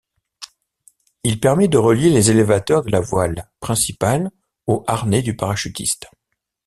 Il permet de relier les élévateurs de la voile principale au harnais du parachutiste.